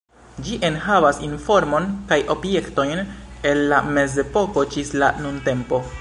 Ĝi enhavas informon kaj objektojn el la Mezepoko ĝis la nuntempo.